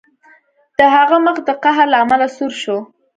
د هغه مخ د قهر له امله سور شو